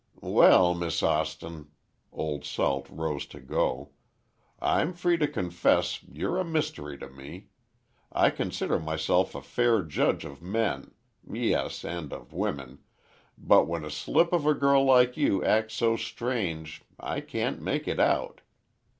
"Well, Miss Austin," Old Salt rose to go, "I'm free to confess you're a mystery to me. I consider myself a fair judge of men—yes, and of women, but when a slip of a girl like you acts so strange, I can't make it out.